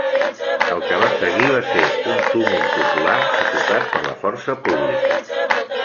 El que va seguir va ser un tumult popular, sufocat per la força pública.